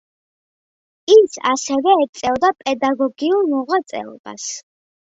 ის ასევე ეწეოდა პედაგოგიურ მოღვაწეობას.